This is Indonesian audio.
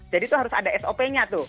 jadi itu harus ada sop nya tuh